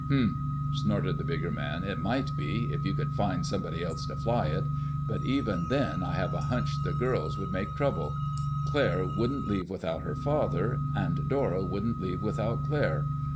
"Humph!" snorted the bigger man. "It might be—if you could find somebody else to fly it. But even then I have a hunch the girls would make trouble. Claire wouldn't leave without her father, and Dora wouldn't leave without Claire.